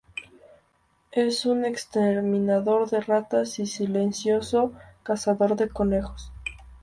Es un exterminador de ratas y silencioso cazador de conejos.